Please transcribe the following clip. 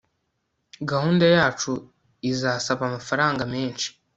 gahunda yacu izasaba amafaranga menshi